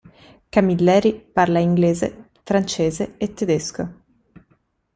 Camilleri parla inglese, francese e tedesco.